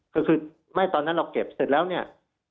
ก็คือไม่ตอนนั้นเราเก็บเสร็จแล้วเนี่ย